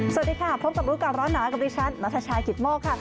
สวัสดีค่ะพบกับรู้ก่อนร้อนหนาวกับดิฉันนัทชายกิตโมกค่ะ